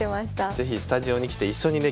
是非スタジオに来て一緒にね